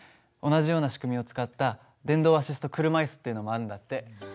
同じような仕組みを使った電動アシスト車椅子っていうのもあるんだって。